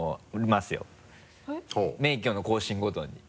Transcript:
免許の更新ごとに。